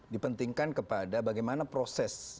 dipentingkan kepada bagaimana proses